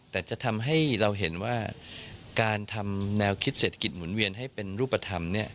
แต่จะทำให้เราเห็นว่าการทำแนวคิดเศรษฐกิจหมุนเวียนให้เป็นรูปธรรม